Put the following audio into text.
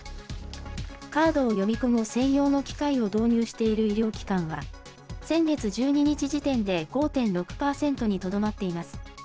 カードを読み込む専用の機械を導入している医療機関は、先月１２日時点で５．６％にとどまっています。